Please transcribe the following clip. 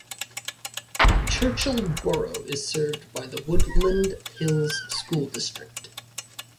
Churchill Boro is served by the Woodland Hills School District.